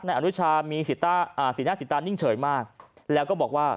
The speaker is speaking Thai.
นายอนุวัฒน์มีศีรษะศีรษะนิ่งเฉยมากแล้วก็บอกว่า